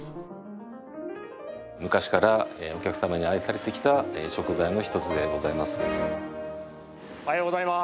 昔からお客様に愛されてきた食材の一つでございます。